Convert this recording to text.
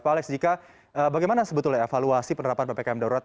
pak alex jika bagaimana sebetulnya evaluasi penerapan ppkm darurat